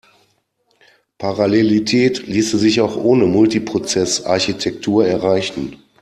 Parallelität ließe sich auch ohne Multiprozess-Architektur erreichen.